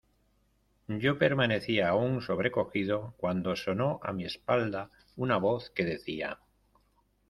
yo permanecía aún sobrecogido cuando sonó a mi espalda una voz que decía: